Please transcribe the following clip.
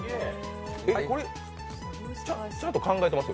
これ、ちゃんと考えてます？